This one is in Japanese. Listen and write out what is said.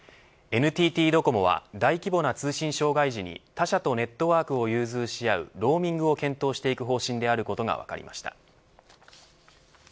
ＮＴＴドコモは大規模な通信障害時に他社とネットワークを融通し合うローミングを検討していく方針であることが分かりました。